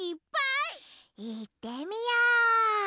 いってみよう！